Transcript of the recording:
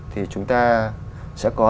thì chúng ta sẽ có